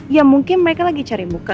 ya mungkin mereka lagi cari muka